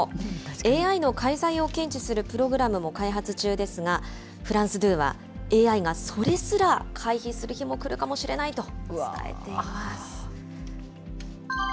ＡＩの介在を検知するプログラムも開発中ですが、フランスドゥーはＡＩがそれすら回避する日も来るかもしれないと、伝えています。